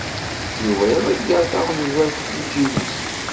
Yuba iḍeggeṛ taɣenjalt di lǧib-is.